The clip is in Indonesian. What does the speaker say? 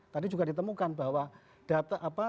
tadi juga ditemukan bahwa data apa